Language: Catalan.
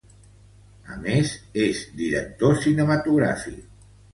A més, és director cinematogràfic.